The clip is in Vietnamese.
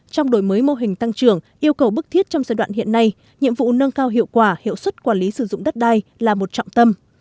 trong đổi mới mô hình tăng trưởng yêu cầu bức thiết trong giai đoạn hiện nay nhiệm vụ nâng cao hiệu quả hiệu suất quản lý sử dụng đất đai là một trọng tâm